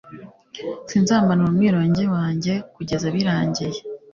sinzamanura umwironge wanjye kugeza birangiye